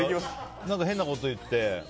変なこと言って。